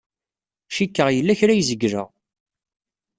Cikkeɣ yella kra ay zegleɣ.